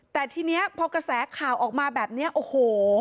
แต่ทีนี้พอกระแสข่าวออกมาแบบนี้โอ้โห